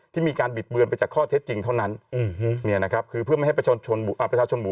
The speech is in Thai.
ที่มีการบิดเบือนไปจากข้อเท็จจริงเท่านั้นคือเพื่อไม่ให้ประชาชนหมู่